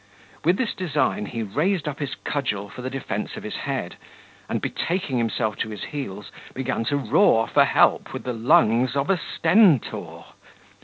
With this design he raised up his cudgel for the defence of his head, and, betaking himself to his heels, began to roar for help with the lungs of a Stentor.